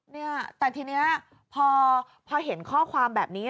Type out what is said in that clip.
เนี่ยแต่ทีนี้พอเห็นข้อความแบบนี้